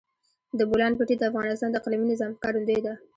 د بولان پټي د افغانستان د اقلیمي نظام ښکارندوی ده.